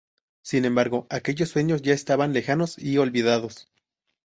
Sin embargo, aquellos sueños ya estaban lejanos y olvidados.